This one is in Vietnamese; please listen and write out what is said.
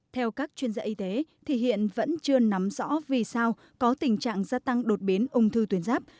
theo các chuyên gia y tế thì hiện vẫn chưa nắm rõ vì sao có tình trạng gia tăng đột biến ung thư tuyến giáp